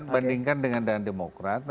bandingkan dengan dengan demokrat